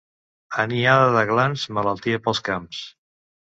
Anyada de glans, malaltia pels camps.